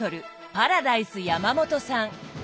パラダイス山元さん。